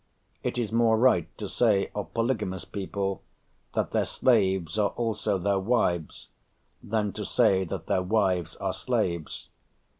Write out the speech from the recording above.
It is more right to say of polygamous people that their slaves are also their wives, than to say that their wives are slaves.